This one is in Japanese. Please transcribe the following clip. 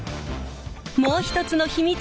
もう一つの秘密